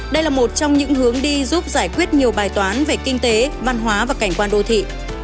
đây là một trong những hướng đi giúp giải quyết nhiều bài toán về kinh tế văn hóa và cảnh quan đô thị